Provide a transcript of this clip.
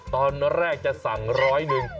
ตอนแรกจะสั่งร้อยหนึ่ง